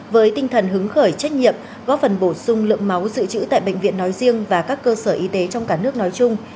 với tinh thần hứng khởi trách nhiệm góp phần bổ sung lượng máu dự trữ tại bệnh viện nói riêng và các cơ sở y tế trong cả nước nói chung